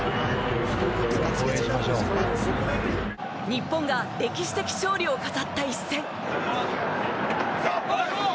日本が歴史的勝利を飾った一戦。